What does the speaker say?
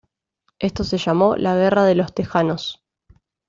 Esto se llamó la Guerra de los Tejanos.